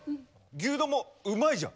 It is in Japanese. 牛丼もうまいじゃん。